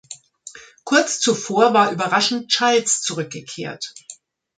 Kurz zuvor war überraschend Childs zurückgekehrt.